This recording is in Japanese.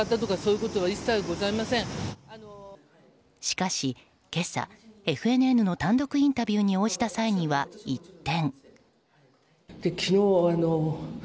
しかし、今朝ＦＮＮの単独インタビューに応じた際には、一転。